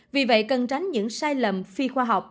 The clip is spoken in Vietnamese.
vì vậy cần tránh những sai lầm phi khoa học